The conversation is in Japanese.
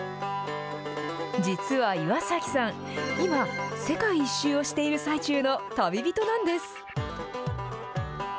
実は岩崎さん、今、世界一周をしている最中の旅人なんです。